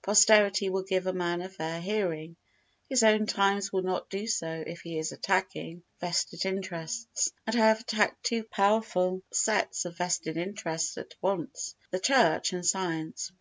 Posterity will give a man a fair hearing; his own times will not do so if he is attacking vested interests, and I have attacked two powerful sets of vested interests at once. [The Church and Science.